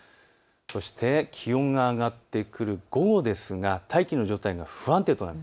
そして気温が上がってくる午後ですが大気の状態が不安定となる。